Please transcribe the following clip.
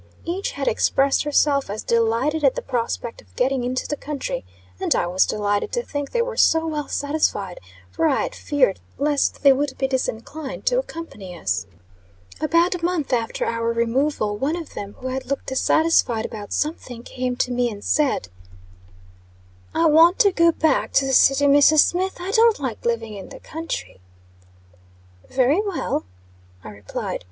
Each had expressed herself as delighted at the prospect of getting into the country, and I was delighted to think they were so well satisfied, for I had feared lest they would be disinclined to accompany us. About a month after our removal, one of them, who had looked dissatisfied about something, came to me and said: "I want to go back to the city, Mrs. Smith; I don't like living in the country." "Very well," I replied.